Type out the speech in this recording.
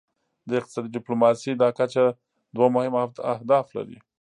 د اقتصادي ډیپلوماسي دا کچه دوه مهم اهداف لري